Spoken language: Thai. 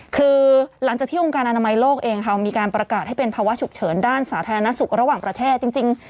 คือหลังจากที่องค์การอนามัยโลกเองค่ะมีการประกาศให้เป็นภาวะฉุกเฉินด้านสาธารณสุขระหว่างประเทศจริง